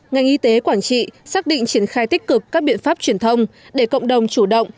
ngành y tế quảng trị xác định triển khai tích cực các biện pháp truyền thông để cộng đồng chủ động